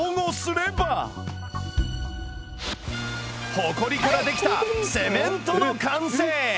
ホコリからできたセメントの完成！